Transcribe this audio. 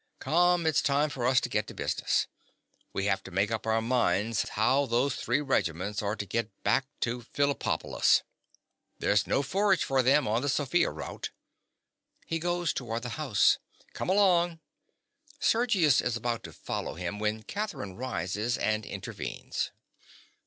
_) Come: it's time for us to get to business. We have to make up our minds how those three regiments are to get back to Phillipopolis:—there's no forage for them on the Sofia route. (He goes towards the house.) Come along. (_Sergius is about to follow him when Catherine rises and intervenes.